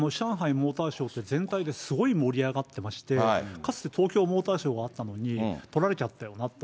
モーターショーって、全体ですごい盛り上がってまして、かつて東京モーターショーがあったのに、取られちゃったよなと。